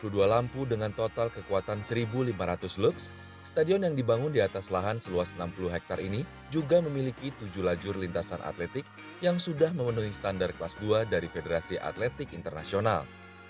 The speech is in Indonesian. dua puluh dua lampu dengan total kekuatan satu lima ratus lux stadion yang dibangun di atas lahan seluas enam puluh hektare ini juga memiliki tujuh lajur lintasan atletik yang sudah memenuhi standar kelas dua dari federasi atletik internasional